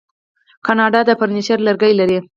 کاناډا د فرنیچر لرګي لري.